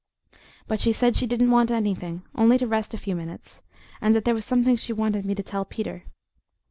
But she said she didn't want anything, only to rest a few minutes, and that there was something she wanted me to tell Peter.